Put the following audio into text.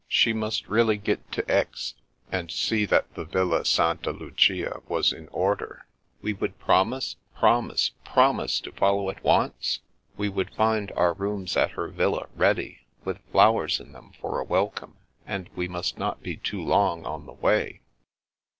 She must really get to Aix, and see that the Villa Santa Lucia was in order. We would prom ise — ^promise — promise to follow at once? We would find our rooms at her villa ready, with flowers in them for a welcome, and we must not be too long on the way.